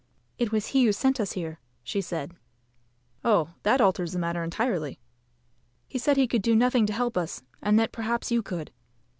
"It was he who sent us here," said she. "Oh, that alters the matter entirely." "He said he could do nothing to help us, and that perhaps you could."